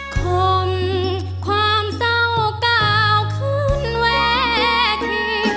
คมความเศร้าเก่าขึ้นแหวะที่